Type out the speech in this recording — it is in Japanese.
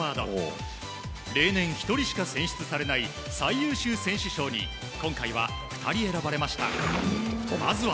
例年、１人しか選出されない最優秀選手賞に今回は２人選ばれました。